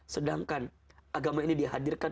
sedangkan agama ini dihadirkan